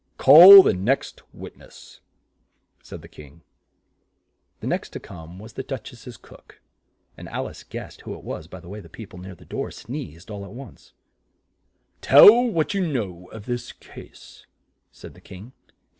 "Call the next wit ness," said the King. The next to come was the Duch ess' cook, and Al ice guessed who it was by the way the peo ple near the door sneezed all at once. "Tell what you know of this case," said the King.